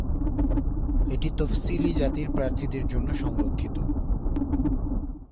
এটি তফসিলি জাতির প্রার্থীদের জন্য সংরক্ষিত।